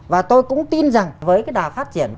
và tôi cũng tin rằng với cái đà phát triển